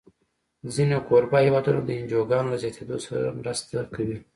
ځینې کوربه هېوادونه د انجوګانو له زیاتېدو سره مرسته کوي.